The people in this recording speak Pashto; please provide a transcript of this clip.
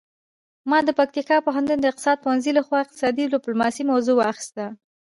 ما د پکتیا پوهنتون د اقتصاد پوهنځي لخوا اقتصادي ډیپلوماسي موضوع واخیسته